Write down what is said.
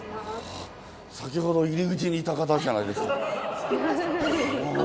あっ先ほど入り口にいた方じゃないですか。